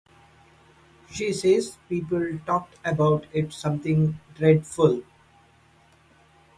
She says people talked about it something dreadful.